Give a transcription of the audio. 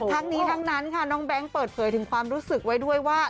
ทั้งนี้ทั้งนั้นค่ะน้องแบงค์เปิดเผยถึงความรู้สึกไว้ด้วยว่า